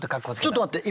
ちょっと待って！